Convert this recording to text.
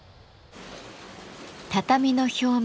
畳の表面